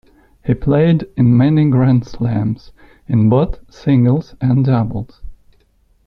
He played in many Grand Slams, in both singles and doubles.